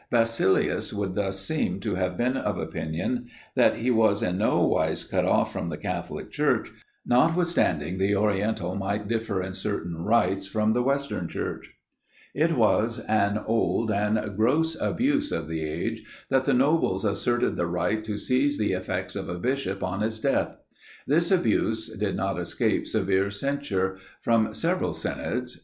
Basilius would thus seem, to have been of opinion that he was in no wise cut off from the Catholic Church, notwithstanding the oriental might differ in certain rites from the western Church. It was an old and gross abuse of the age, that the nobles asserted the right to seize the effects of a bishop on his death. This abuse did not escape severe censure, from several synods.